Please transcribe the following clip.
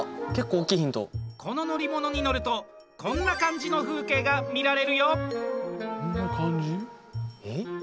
この乗り物に乗るとこんな感じの風景が見られるよ。